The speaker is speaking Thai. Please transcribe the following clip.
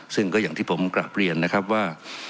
ซึ่งก็อย่างที่ผมกลับเรียนนะครับว่า